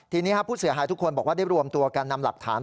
ทีนี้ผู้เสียหายทุกคนบอกว่าได้รวมตัวกันนำหลักฐาน